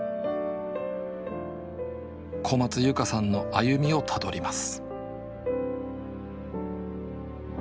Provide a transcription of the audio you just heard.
小松由佳さんの歩みをたどります